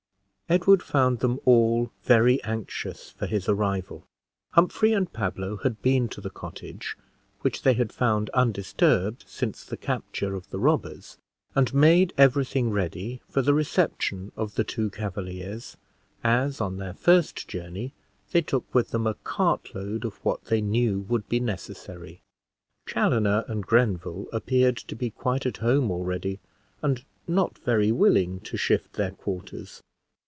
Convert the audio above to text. Edward found them all very anxious for his arrival. Humphrey and Pablo had been to the cottage, which they had found undisturbed since the capture of the robbers, and made every thing ready for the reception of the two Cavaliers, as, on their first journey, they took with them a cart load of what they knew would be necessary. Chaloner and Grenville appeared to be quite at home already, and not very willing to shift their quarters.